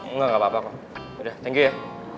enggak gak apa apa udah thank you ya